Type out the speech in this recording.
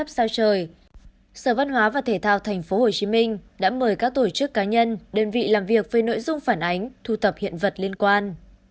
sở văn hóa và thể thao tp hcm đã mời các tổ chức cá nhân đơn vị làm việc về nội dung phản ánh thu tập hiện vật liên quan